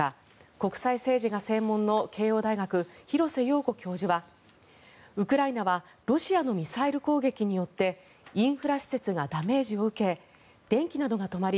国際政治が専門の慶應大学、廣瀬陽子教授はウクライナはロシアのミサイル攻撃によってインフラ施設がダメージを受け電気などが止まり